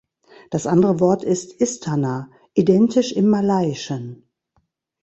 Das andere Wort ist Istana, identisch im Malaiischen.